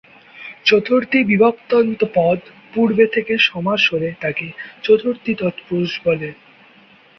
চতুর্থী-বিভক্ত্যন্ত পদ পূর্বে থেকে সমাস হলে, তাকে চতুর্থী-তৎপুরুষ বলে।